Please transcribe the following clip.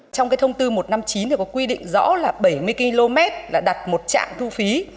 trong cái thông tư một trăm năm mươi chín thì có quy định rõ là bảy mươi km là đặt một trạm thu phí